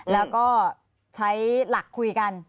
แล้วก็ใช้หลักคุยกัน